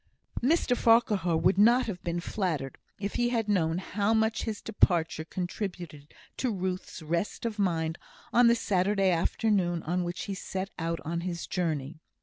Mr Farquhar would not have been flattered if he had known how much his departure contributed to Ruth's rest of mind on the Saturday afternoon on which he set out on his journey.